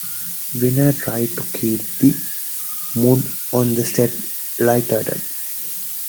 Winner tried to keep the mood on the set lighthearted.